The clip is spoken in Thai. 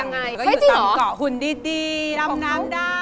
ไงก็อยู่ตามเกาะหุ่นดีลำน้ำได้